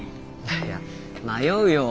いや迷うよ。